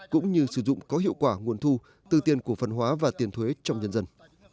cũng như sử dụng có hiệu quả nguồn thu từ tiền cổ phần hóa và tiền thuế trong nhân dân